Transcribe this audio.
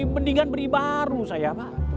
mendingan beri baru saya